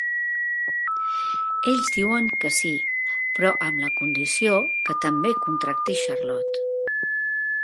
Ells diuen que sí, però amb la condició que també contracti Charlot.